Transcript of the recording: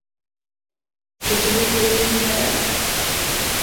Seçeneklerimiz neler?